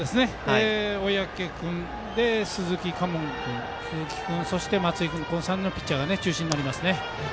小宅君、鈴木佳門君そして松井君この３人のピッチャーが中心になりますね。